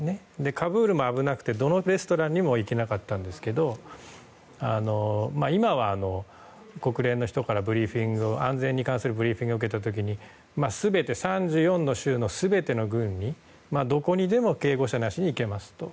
カブールも危なくてどのレストランにも行けなかったんですが今は国連の人から安全に関するブリーフィングを受けた時に３４の州の全ての郡どこにでも警護車なしに行けますと。